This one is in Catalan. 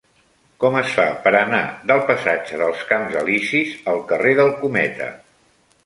Com es fa per anar del passatge dels Camps Elisis al carrer del Cometa?